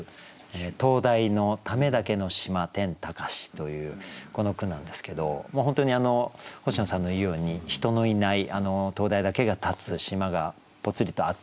「灯台のためだけの島天高し」というこの句なんですけど本当に星野さんの言うように人のいない灯台だけが立つ島がぽつりとあってですね